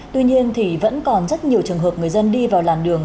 tuy nhiên thì vẫn còn rất nhiều trường hợp người dân đi vào làn đường